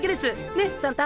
ねっサンタ。